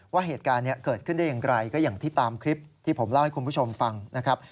ว่าเหตุการณ์นี้เกิดขึ้นได้อย่างไรก็อย่างที่ตามคลิปที่ผมเล่าให้คุณผู้ชมฟังนะครับ